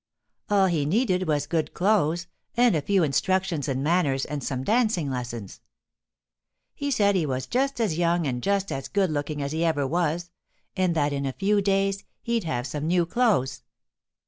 All he needed was good clothes and a few instructions in manners and some dancing lessons. He said he was just as young and just as good looking as he ever was, and that in a few days he'd have some new clothes.